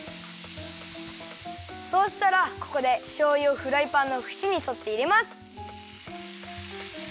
そうしたらここでしょうゆをフライパンのふちにそっていれます。